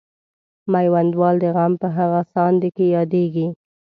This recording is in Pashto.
میوندوال د غم په هغه ساندې کې یادیږي.